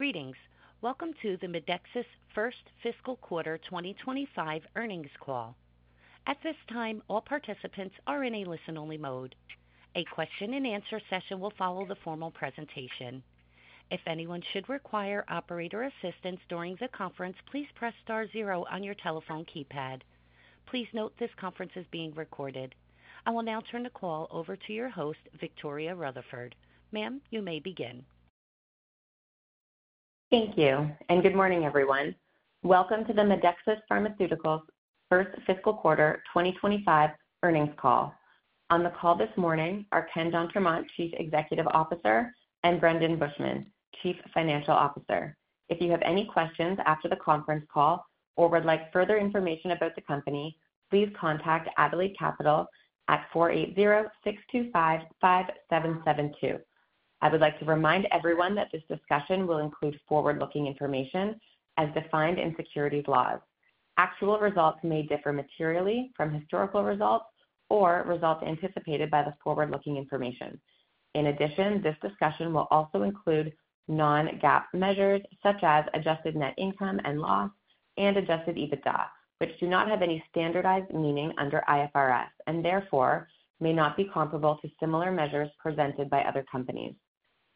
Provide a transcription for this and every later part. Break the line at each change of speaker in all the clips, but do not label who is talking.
Greetings! Welcome to the Medexus First Fiscal Quarter 2025 Earnings Call. At this time, all participants are in a listen-only mode. A question-and-answer session will follow the formal presentation. If anyone should require operator assistance during the conference, please press star zero on your telephone keypad. Please note this conference is being recorded. I will now turn the call over to your host, Victoria Rutherford. Ma'am, you may begin. Thank you, and good morning, everyone. Welcome to the Medexus Pharmaceuticals First Fiscal Quarter 2025 earnings call. On the call this morning are Ken d'Entremont, Chief Executive Officer, and Brendan Buschman, Chief Financial Officer. If you have any questions after the Conference Call or would like further information about the company, please contact Adelaide Capital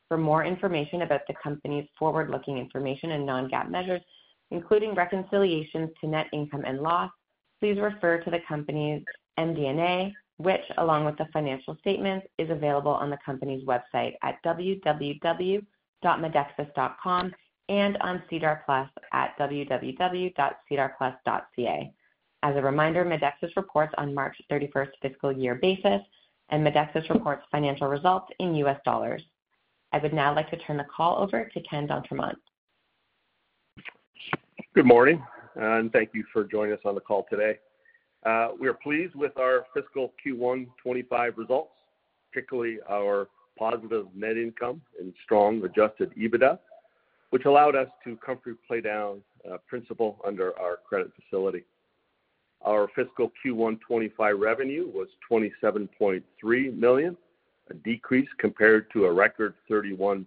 For more information about the company's forward-looking information and non-GAAP measures, including reconciliations to net income and loss, please refer to the company's MD&A, which, along with the financial statements, is available on the company's website at www.medexus.com and on SEDAR+ at www.sedarplus.ca. As a reminder, Medexus reports on March thirty-first fiscal year basis, and Medexus reports financial results in U.S. dollars. I would now like to turn the call over to Ken d'Entremont.
Good morning, and thank you for joining us on the call today. We are pleased with our fiscal Q1 '25 results, particularly our positive net income and strong adjusted EBITDA, which allowed us to comfortably pay down principal under our credit facility. Our fiscal Q1 '25 revenue was $27.3 million, a decrease compared to a record $31.6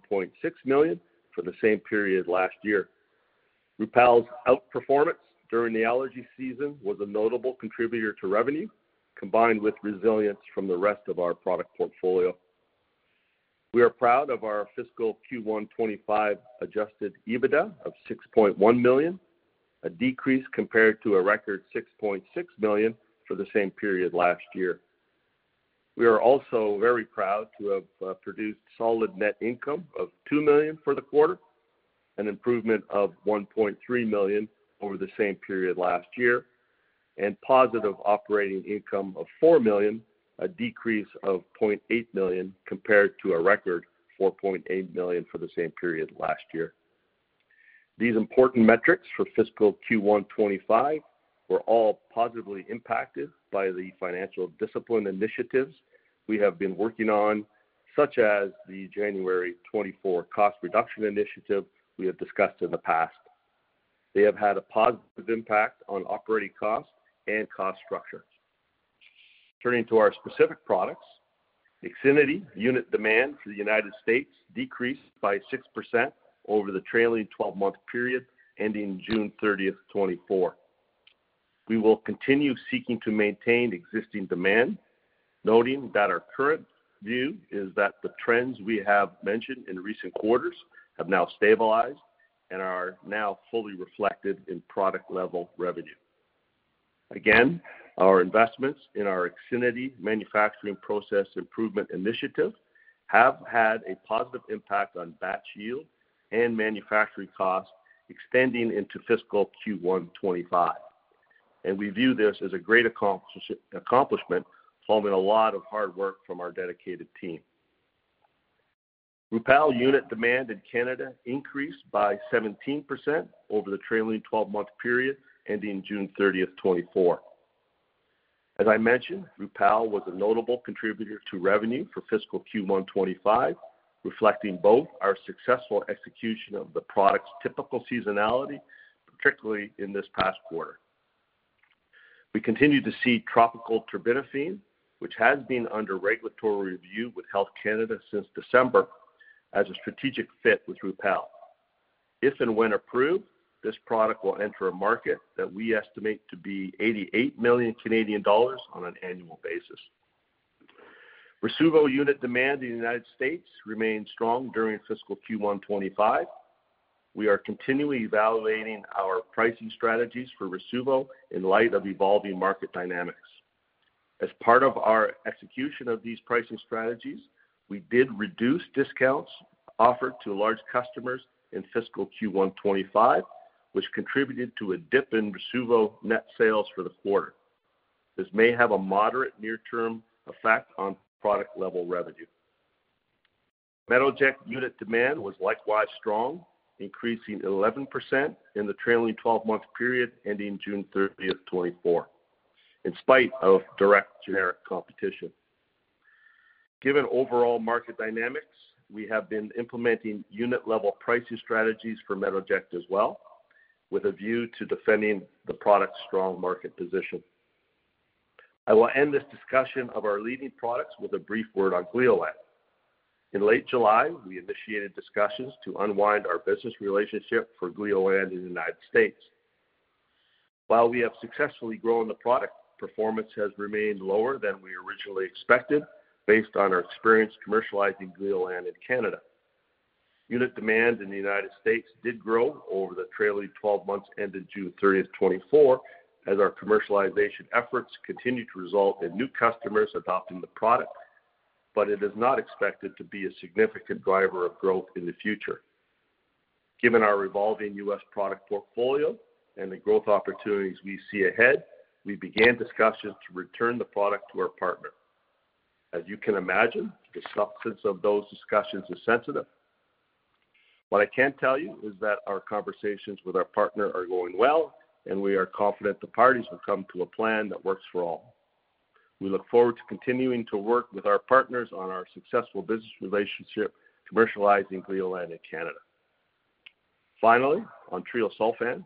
million for the same period last year. Rupall's outperformance during the allergy season was a notable contributor to revenue, combined with resilience from the rest of our product portfolio. We are proud of our fiscal Q1 '25 adjusted EBITDA of $6.1 million, a decrease compared to a record $6.6 million for the same period last year. We are also very proud to have produced solid net income of $2 million for the quarter, an improvement of $1.3 million over the same period last year, and positive operating income of $4 million, a decrease of $0.8 million compared to a record $4.8 million for the same period last year. These important metrics for fiscal Q1 2025 were all positively impacted by the financial discipline initiatives we have been working on, such as the January 2024 cost reduction initiative we have discussed in the past. They have had a positive impact on operating costs and cost structure. Turning to our specific products, IXINITY unit demand for the United States decreased by 6% over the trailing 12-month period ending June 30, 2024. We will continue seeking to maintain existing demand, noting that our current view is that the trends we have mentioned in recent quarters have now stabilized and are now fully reflected in product level revenue. Again, our investments in our IXINITY manufacturing process improvement initiative have had a positive impact on batch yield and manufacturing costs extending into fiscal Q1 2025, and we view this as a great accomplishment, following a lot of hard work from our dedicated team. Rupall unit demand in Canada increased by 17% over the trailing twelve-month period ending June thirtieth, 2024. As I mentioned, Rupall was a notable contributor to revenue for fiscal Q1 2025, reflecting both our successful execution of the product's typical seasonality, particularly in this past quarter. We continue to see topical terbinafine, which has been under regulatory review with Health Canada since December, as a strategic fit with Rupall. If and when approved, this product will enter a market that we estimate to be 88 million Canadian dollars on an annual basis. Rasuvo unit demand in the United States remained strong during fiscal Q1 2025. We are continually evaluating our pricing strategies for Rasuvo in light of evolving market dynamics. As part of our execution of these pricing strategies, we did reduce discounts offered to large customers in fiscal Q1 2025, which contributed to a dip in Rasuvo net sales for the quarter. This may have a moderate near-term effect on product level revenue. Metoject unit demand was likewise strong, increasing 11% in the trailing twelve-month period ending June 30, 2024, in spite of direct generic competition. Given overall market dynamics, we have been implementing unit-level pricing strategies for Metoject as well, with a view to defending the product's strong market position... I will end this discussion of our leading products with a brief word on Gleolan. In late July, we initiated discussions to unwind our business relationship for Gleolan in the United States. While we have successfully grown the product, performance has remained lower than we originally expected, based on our experience commercializing Gleolan in Canada. Unit demand in the United States did grow over the trailing twelve months, ended June 30, 2024, as our commercialization efforts continued to result in new customers adopting the product, but it is not expected to be a significant driver of growth in the future. Given our evolving U.S. product portfolio and the growth opportunities we see ahead, we began discussions to return the product to our partner. As you can imagine, the substance of those discussions is sensitive. What I can tell you is that our conversations with our partner are going well, and we are confident the parties will come to a plan that works for all. We look forward to continuing to work with our partners on our successful business relationship, commercializing Gleolan in Canada. Finally, on Treosulfan,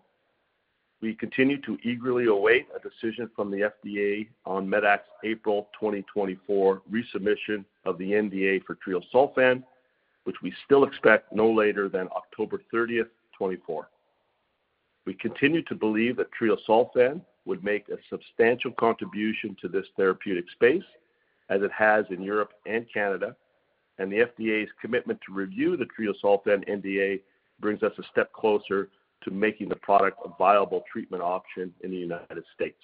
we continue to eagerly await a decision from the FDA on Medact's April 2024 resubmission of the NDA for Treosulfan, which we still expect no later than October 30, 2024. We continue to believe that Treosulfan would make a substantial contribution to this therapeutic space, as it has in Europe and Canada, and the FDA's commitment to review the Treosulfan NDA brings us a step closer to making the product a viable treatment option in the United States.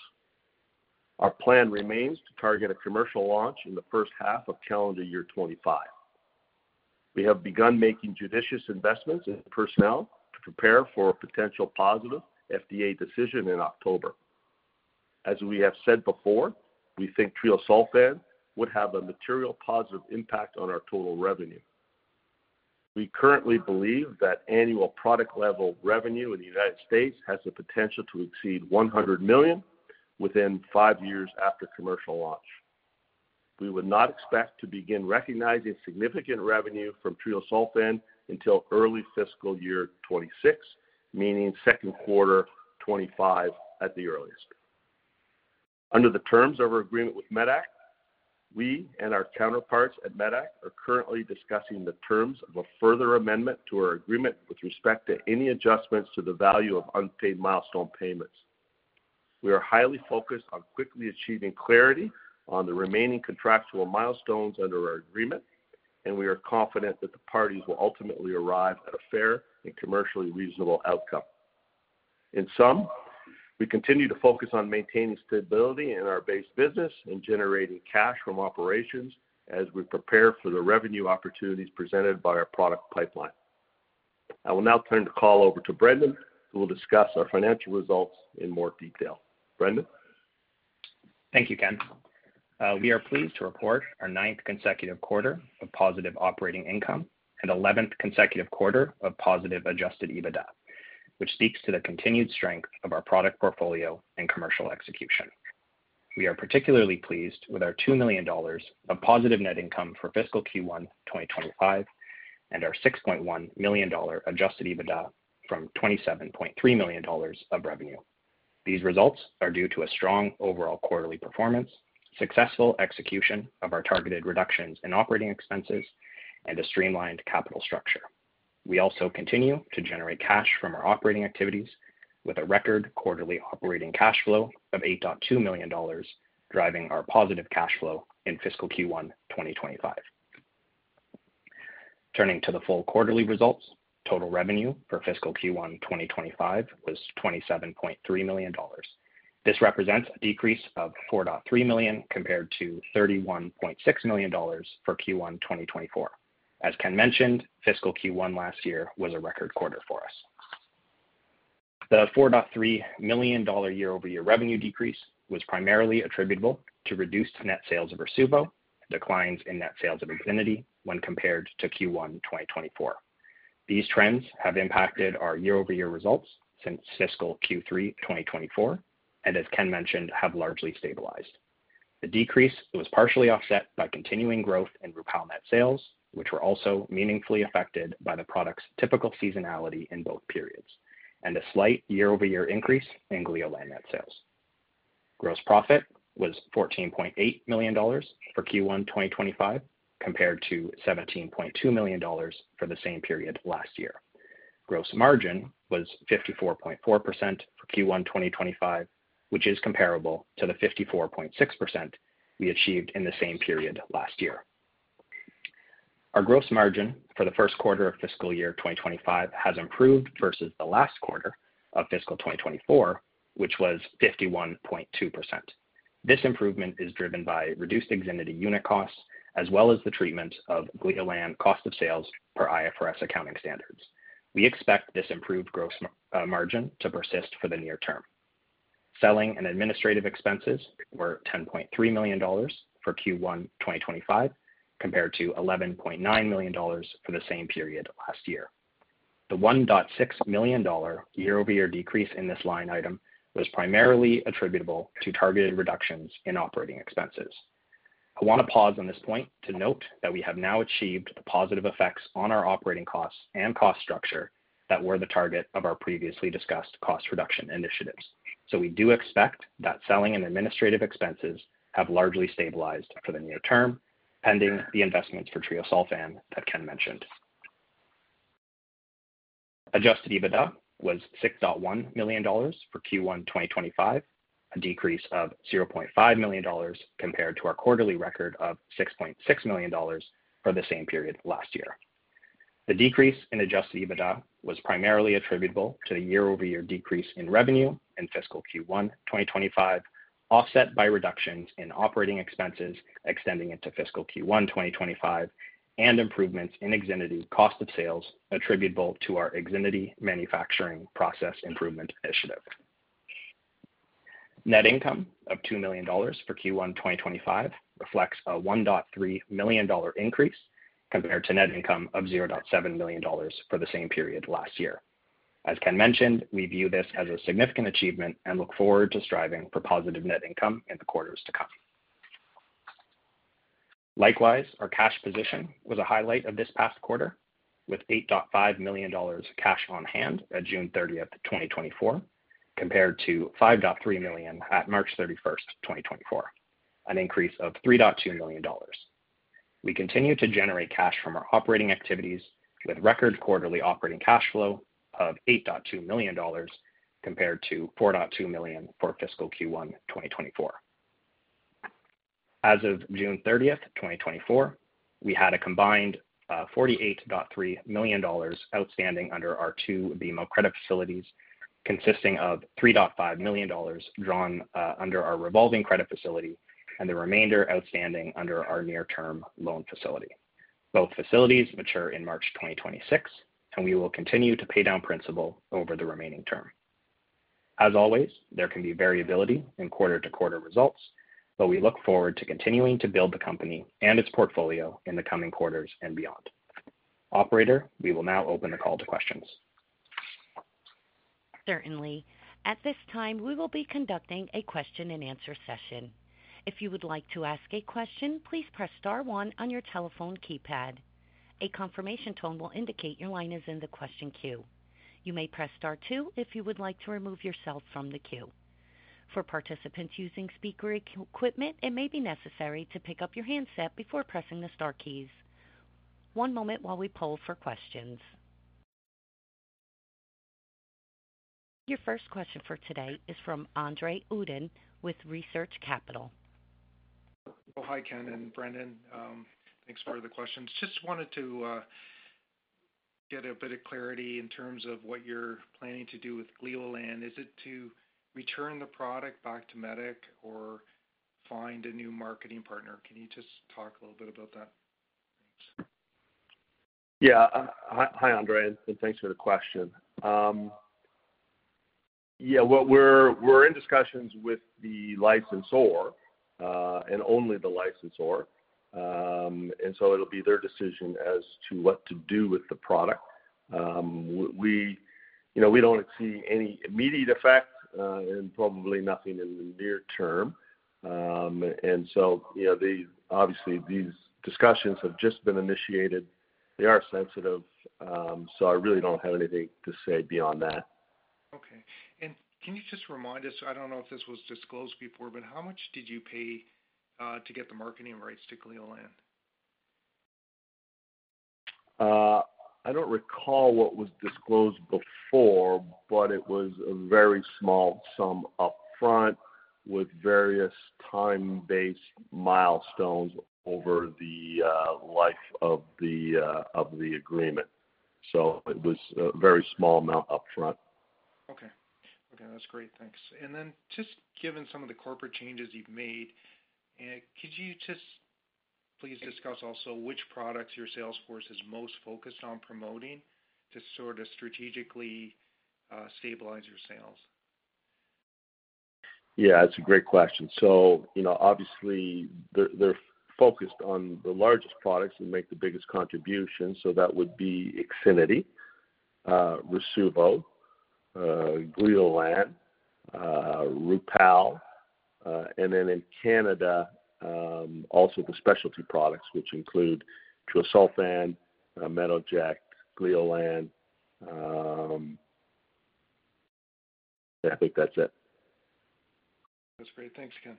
Our plan remains to target a commercial launch in the first half of calendar year 2025. We have begun making judicious investments in personnel to prepare for a potential positive FDA decision in October. As we have said before, we think Treosulfan would have a material positive impact on our total revenue. We currently believe that annual product level revenue in the United States has the potential to exceed $100 million within 5 years after commercial launch. We would not expect to begin recognizing significant revenue from Treosulfan until early fiscal year 2026, meaning Q2 2025 at the earliest. Under the terms of our agreement with Medact, we and our counterparts at Medact are currently discussing the terms of a further amendment to our agreement with respect to any adjustments to the value of unpaid milestone payments. We are highly focused on quickly achieving clarity on the remaining contractual milestones under our agreement, and we are confident that the parties will ultimately arrive at a fair and commercially reasonable outcome. In sum, we continue to focus on maintaining stability in our base business and generating cash from operations as we prepare for the revenue opportunities presented by our product pipeline. I will now turn the call over to Brendan, who will discuss our financial results in more detail. Brendan?
Thank you, Ken. We are pleased to report our ninth consecutive quarter of positive operating income and 11th consecutive quarter of positive adjusted EBITDA, which speaks to the continued strength of our product portfolio and commercial execution. We are particularly pleased with our $2 million of positive net income for fiscal Q1 2025, and our $6.1 million adjusted EBITDA from $27.3 million of revenue. These results are due to a strong overall quarterly performance, successful execution of our targeted reductions in operating expenses, and a streamlined capital structure. We also continue to generate cash from our operating activities with a record quarterly operating cash flow of $8.2 million, driving our positive cash flow in fiscal Q1 2025. Turning to the full quarterly results, total revenue for fiscal Q1 2025 was $27.3 million. This represents a decrease of $4.3 million compared to $31.6 million for Q1 2024. As Ken mentioned, fiscal Q1 last year was a record quarter for us. The $4.3 million year-over-year revenue decrease was primarily attributable to reduced net sales of Rasuvo, declines in net sales of IXINITY when compared to Q1 2024. These trends have impacted our year-over-year results since fiscal Q3 2024, and as Ken mentioned, have largely stabilized. The decrease was partially offset by continuing growth in Rupall net sales, which were also meaningfully affected by the product's typical seasonality in both periods, and a slight year-over-year increase in Gleolan net sales. Gross profit was $14.8 million for Q1 2025, compared to $17.2 million for the same period last year. Gross margin was 54.4% for Q1 2025, which is comparable to the 54.6% we achieved in the same period last year. Our gross margin for the Q1 of fiscal year 2025 has improved versus the last quarter of fiscal 2024, which was 51.2%. This improvement is driven by reduced IXINITY unit costs, as well as the treatment of Gleolan cost of sales per IFRS accounting standards. We expect this improved gross margin to persist for the near term. Selling and administrative expenses were $10.3 million for Q1 2025, compared to $11.9 million for the same period last year. The $1.6 million year-over-year decrease in this line item was primarily attributable to targeted reductions in operating expenses.... I want to pause on this point to note that we have now achieved the positive effects on our operating costs and cost structure that were the target of our previously discussed cost reduction initiatives. So we do expect that selling and administrative expenses have largely stabilized for the near term, pending the investments for Treosulfan that Ken mentioned. Adjusted EBITDA was $6.1 million for Q1 2025, a decrease of $0.5 million compared to our quarterly record of $6.6 million for the same period last year. The decrease in adjusted EBITDA was primarily attributable to the year-over-year decrease in revenue in fiscal Q1 2025, offset by reductions in operating expenses extending into fiscal Q1 2025, and improvements in IXINITY's cost of sales, attributable to our IXINITY manufacturing process improvement initiative. Net income of $2 million for Q1 2025 reflects a $1.3 million increase compared to net income of $0.7 million for the same period last year. As Ken mentioned, we view this as a significant achievement and look forward to striving for positive net income in the quarters to come. Likewise, our cash position was a highlight of this past quarter, with $8.5 million cash on hand at June thirtieth, 2024, compared to $5.3 million at March thirty-first, 2024, an increase of $3.2 million. We continue to generate cash from our operating activities with record quarterly operating cash flow of $8.2 million, compared to $4.2 million for fiscal Q1 2024. As of June 30, 2024, we had a combined $48.3 million outstanding under our two BMO credit facilities, consisting of $3.5 million drawn under our revolving credit facility and the remainder outstanding under our near-term loan facility. Both facilities mature in March 2026, and we will continue to pay down principal over the remaining term. As always, there can be variability in quarter-to-quarter results, but we look forward to continuing to build the company and its portfolio in the coming quarters and beyond. Operator, we will now open the call to questions.
Certainly. At this time, we will be conducting a question-and-answer session. If you would like to ask a question, please press star one on your telephone keypad. A confirmation tone will indicate your line is in the question queue. You may press star two if you would like to remove yourself from the queue. For participants using speaker equipment, it may be necessary to pick up your handset before pressing the star keys. One moment while we poll for questions. Your first question for today is from Andre Uddin with Research Capital.
Well, hi, Ken and Brendan. Thanks for the questions. Just wanted to get a bit of clarity in terms of what you're planning to do with Gleolan. Is it to return the product back to Medac or find a new marketing partner? Can you just talk a little bit about that?
Yeah. Hi, Andre, and thanks for the question. Yeah, what we're in discussions with the licensor, and only the licensor. And so it'll be their decision as to what to do with the product. We, you know, we don't see any immediate effect, and probably nothing in the near term. And so, you know, obviously, these discussions have just been initiated. They are sensitive, so I really don't have anything to say beyond that.
Okay. And can you just remind us, I don't know if this was disclosed before, but how much did you pay to get the marketing rights to Gleolan?
I don't recall what was disclosed before, but it was a very small sum upfront with various time-based milestones over the life of the agreement. So it was a very small amount upfront.
Okay. Okay, that's great. Thanks. And then, just given some of the corporate changes you've made, could you just please discuss also which products your sales force is most focused on promoting to sort of strategically stabilize your sales?
Yeah, that's a great question. So, you know, obviously, they're, they're focused on the largest products that make the biggest contribution, so that would be IXINITY, Rasuvo, Gleolan, Rupall, and then in Canada, also the specialty products, which include Treosulfan, IXINITY, Gleolan. Yeah, I think that's it.
That's great. Thanks, Ken.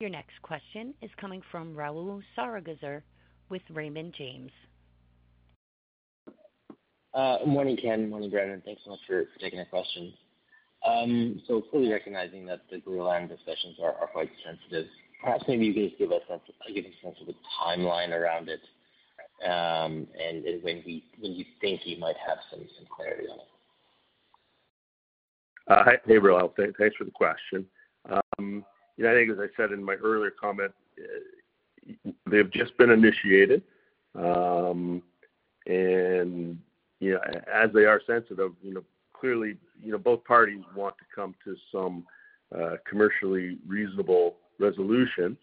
Your next question is coming from Rahul Sarugaser with Raymond James.
Good morning, Ken. Good morning, Brendan. Thanks so much for taking the question. So fully recognizing that the Gleolan discussions are quite sensitive, perhaps maybe you can just give us a sense of the timeline around it, and when you think you might have some clarity on it.
Hi. Hey, Rahul. Thanks for the question. Yeah, I think as I said in my earlier comment, they've just been initiated. And, you know, as they are sensitive, you know, clearly, you know, both parties want to come to some commercially reasonable resolution....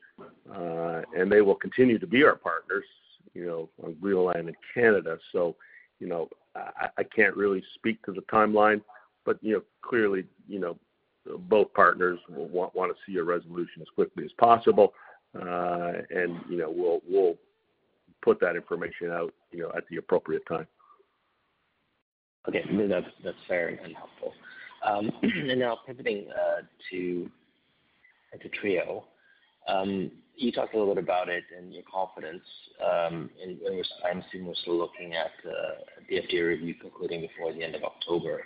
And they will continue to be our partners, you know, on Gleolan in Canada. So, you know, I can't really speak to the timeline, but, you know, clearly, you know, both partners will want to see a resolution as quickly as possible. And, you know, we'll put that information out, you know, at the appropriate time.
Okay, that's, that's fair and helpful. And now pivoting to Treo. You talked a little bit about it in your confidence in, I assume, the FDA review concluding before the end of October.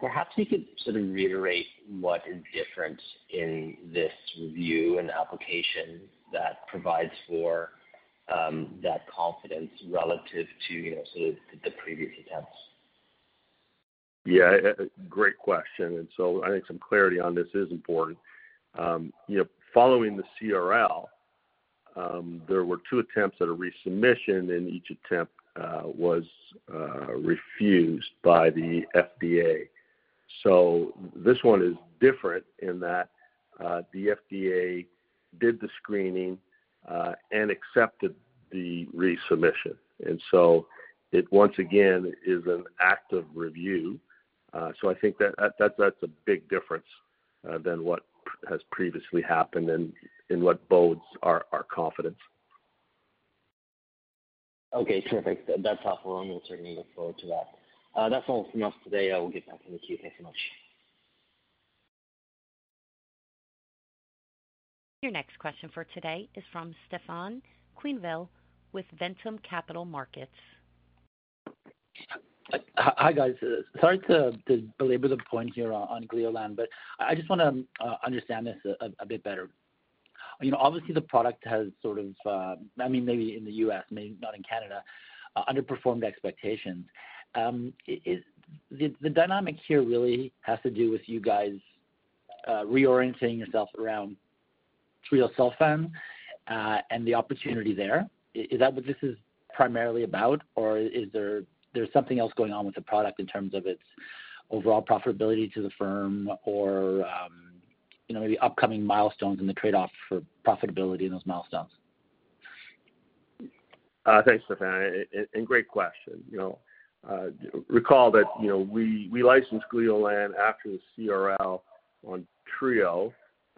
Perhaps you could sort of reiterate what is different in this review and application that provides for that confidence relative to, you know, sort of the previous attempts.
Yeah, great question. And so I think some clarity on this is important. You know, following the CRL, there were two attempts at a resubmission, and each attempt was refused by the FDA. So this one is different in that, the FDA did the screening and accepted the resubmission. And so it once again is an active review. So I think that, that's a big difference than what has previously happened and what bodes our confidence.
Okay, terrific. That's helpful, and we'll certainly look forward to that. That's all from us today. I will get back in the queue. Thanks so much.
Your next question for today is from Stefan Quenneville with Ventum Capital Markets.
Hi, guys. Sorry to belabor the point here on Gleolan, but I just want to understand this a bit better. You know, obviously, the product has sort of I mean, maybe in the US, maybe not in Canada, underperformed expectations. The dynamic here really has to do with you guys reorienting yourself around Treo Cell Therapy and the opportunity there. Is that what this is primarily about, or is there something else going on with the product in terms of its overall profitability to the firm or, you know, maybe upcoming milestones and the trade-off for profitability in those milestones?
Thanks, Stefan. And great question. You know, recall that, you know, we licensed Gleolan after the CRL on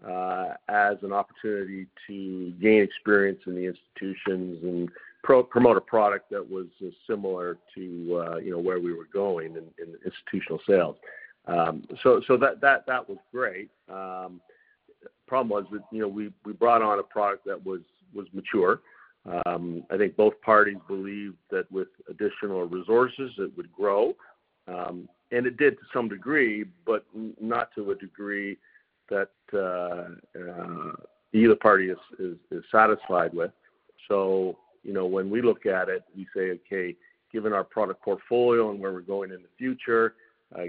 Treo, as an opportunity to gain experience in the institutions and promote a product that was similar to, you know, where we were going in institutional sales. So that was great. Problem was that, you know, we brought on a product that was mature. I think both parties believed that with additional resources, it would grow, and it did to some degree, but not to a degree that either party is satisfied with. So, you know, when we look at it, we say, okay, given our product portfolio and where we're going in the future,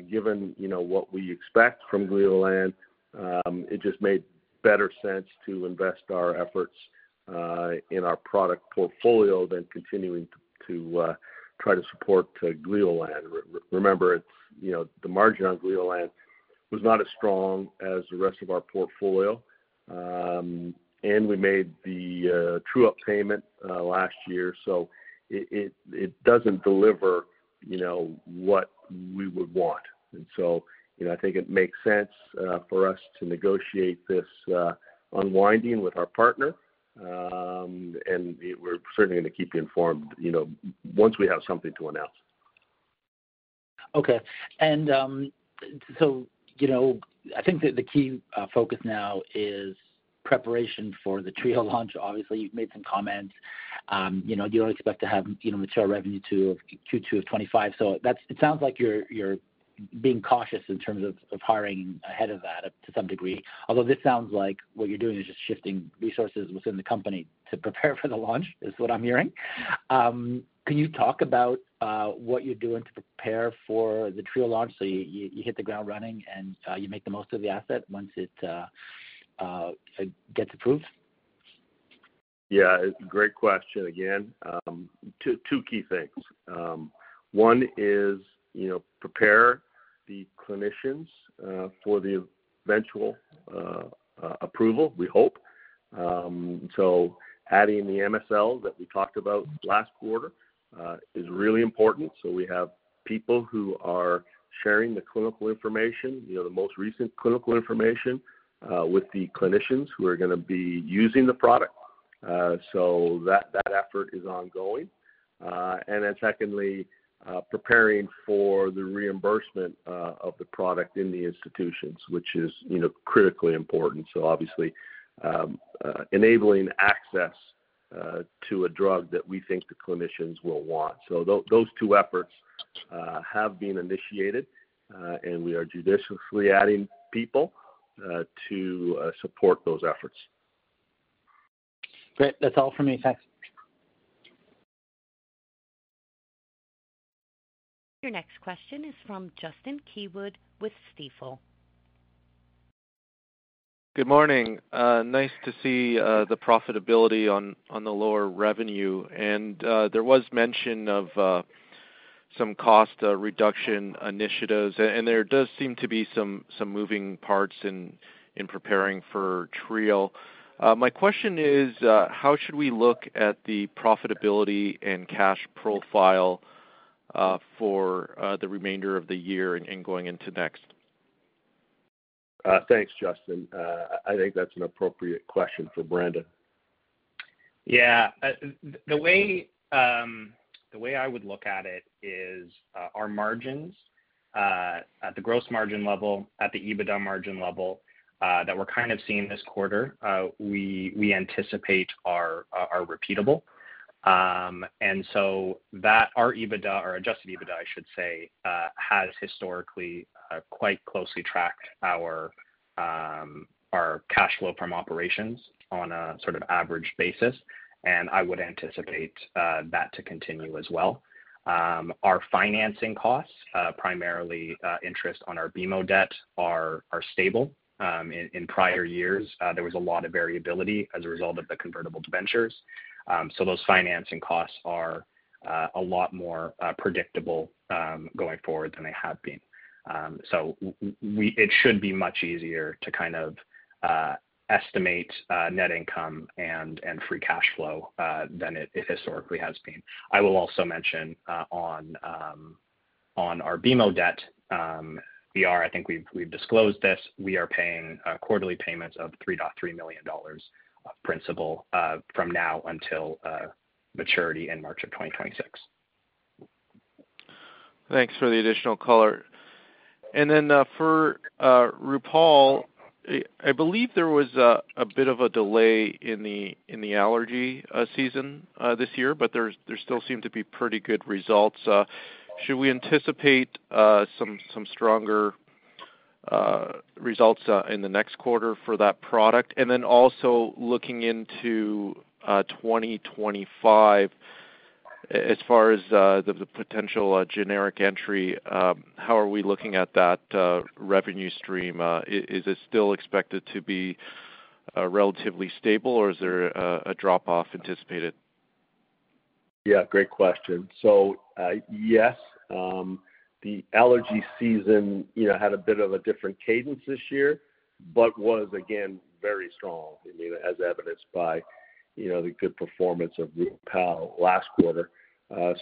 given, you know, what we expect from Gleolan, it just made better sense to invest our efforts in our product portfolio than continuing to try to support Gleolan. Remember, it's, you know, the margin on Gleolan was not as strong as the rest of our portfolio, and we made the true-up payment last year, so it doesn't deliver, you know, what we would want. And so, you know, I think it makes sense for us to negotiate this unwinding with our partner, and we're certainly going to keep you informed, you know, once we have something to announce.
Okay. So, you know, I think that the key focus now is preparation for the Treo launch. Obviously, you've made some comments. You know, you don't expect to have, you know, material revenue to Q2 of 2025. So it sounds like you're being cautious in terms of hiring ahead of that, to some degree. Although this sounds like what you're doing is just shifting resources within the company to prepare for the launch, is what I'm hearing. Can you talk about what you're doing to prepare for the Treo launch, so you hit the ground running and you make the most of the asset once it gets approved?
Yeah, great question again. Two key things. One is, you know, prepare the clinicians for the eventual approval, we hope. So adding the MSL that we talked about last quarter is really important. So we have people who are sharing the clinical information, you know, the most recent clinical information with the clinicians who are going to be using the product. So that effort is ongoing. And then secondly, preparing for the reimbursement of the product in the institutions, which is, you know, critically important. So obviously, enabling access to a drug that we think the clinicians will want. So those two efforts have been initiated, and we are judiciously adding people to support those efforts.
Great. That's all for me. Thanks.
Your next question is from Justin Keywood with Stifel.
Good morning. Nice to see the profitability on the lower revenue. There was mention of some cost reduction initiatives, and there does seem to be some moving parts in preparing for Trio. My question is, how should we look at the profitability and cash profile for the remainder of the year and going into next?
Thanks, Justin. I think that's an appropriate question for Brendan.
Yeah, the way I would look at it is, our margins at the gross margin level, at the EBITDA margin level, that we're kind of seeing this quarter, we anticipate are repeatable. And so that our EBITDA, or adjusted EBITDA, I should say, has historically quite closely tracked our cash flow from operations on a sort of average basis, and I would anticipate that to continue as well. Our financing costs, primarily interest on our BMO debt, are stable. In prior years, there was a lot of variability as a result of the convertible debentures. So those financing costs are a lot more predictable going forward than they have been. So it should be much easier to kind of estimate net income and free cash flow than it historically has been. I will also mention on our BMO debt we are... I think we've disclosed this. We are paying quarterly payments of $3.3 million of principal from now until maturity in March 2026.
Thanks for the additional color. And then, for Rupall, I believe there was a bit of a delay in the allergy season this year, but there still seem to be pretty good results. Should we anticipate some stronger results in the next quarter for that product? And then also looking into 2025, as far as the potential generic entry, how are we looking at that revenue stream? Is it still expected to be relatively stable, or is there a drop-off anticipated?
Yeah, great question. So, yes, the allergy season, you know, had a bit of a different cadence this year, but was again, very strong, you know, as evidenced by, you know, the good performance of Rupall last quarter.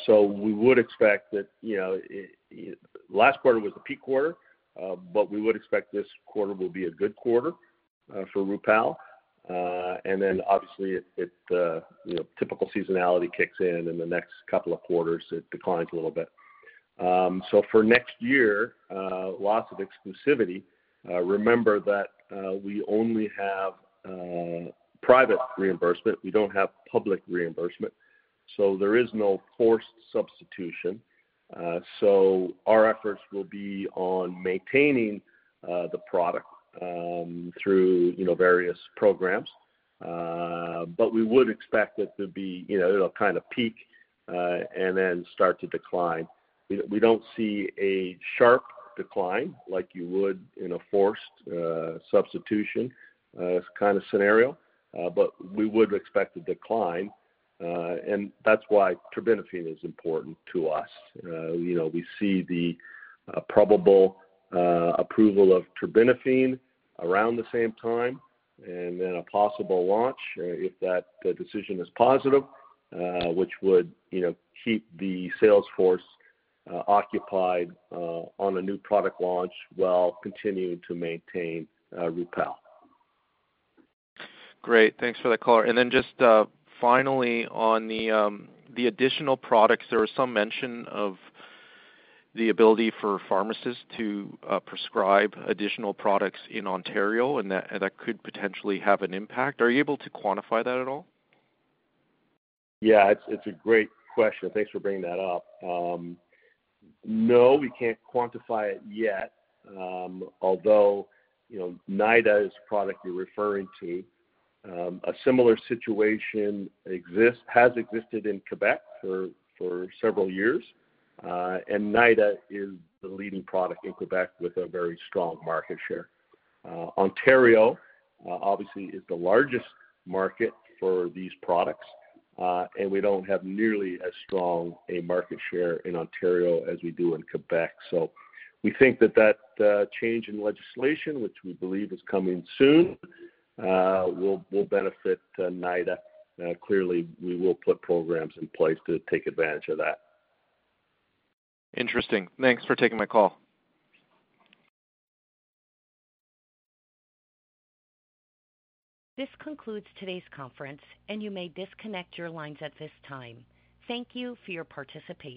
So we would expect that, you know, it last quarter was the peak quarter, but we would expect this quarter will be a good quarter, for Rupall. And then obviously, you know, typical seasonality kicks in, in the next couple of quarters, it declines a little bit. So for next year, loss of exclusivity, remember that, we only have private reimbursement. We don't have public reimbursement, so there is no forced substitution. So our efforts will be on maintaining the product, through, you know, terms. But we would expect it to be, you know, it'll kind of peak, and then start to decline. We, we don't see a sharp decline like you would in a forced, substitution, kind of scenario, but we would expect a decline, and that's why terbinafine is important to us. You know, we see the probable approval of terbinafine around the same time, and then a possible launch, if that decision is positive, which would, you know, keep the sales force occupied on a new product launch while continuing to maintain Rupall.
Great, thanks for that color. And then just, finally, on the additional products, there was some mention of the ability for pharmacists to prescribe additional products in Ontario, and that could potentially have an impact. Are you able to quantify that at all?
Yeah, it's a great question. Thanks for bringing that up. No, we can't quantify it yet, although, you know, NYDA is the product you're referring to. A similar situation exists, has existed in Quebec for several years, and NYDA is the leading product in Quebec with a very strong market share. Ontario, obviously, is the largest market for these products, and we don't have nearly as strong a market share in Ontario as we do in Quebec. So we think that change in legislation, which we believe is coming soon, will benefit NYDA. Clearly, we will put programs in place to take advantage of that.
Interesting. Thanks for taking my call.
This concludes today's conference, and you may disconnect your lines at this time. Thank you for your participation.